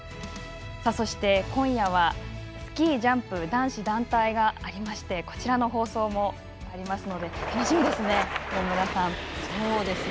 そして、今夜はスキー・ジャンプ男子団体がありましてこちらの放送もありますので楽しみですね、上村さん。